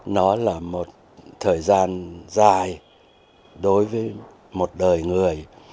nó là một thời gian dài đối với một đời người